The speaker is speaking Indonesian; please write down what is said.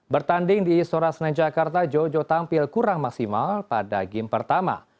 bertanding di istora senen jakarta jojo tampil kurang maksimal pada game pertama